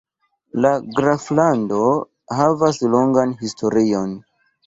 La graflando havas longan historion.